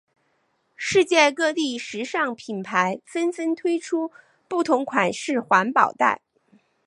世界各地时尚品牌纷纷推出不同款式环保袋。